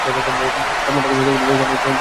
কমলার তখন চৈতন্য হইল সন্ধ্যা হইয়া আসিয়াছে।